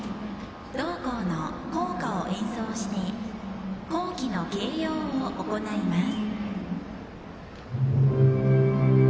同校の校歌を演奏して校旗の掲揚を行います。